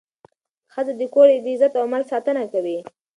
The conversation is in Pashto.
ښځه د کور د عزت او مال ساتنه کوي.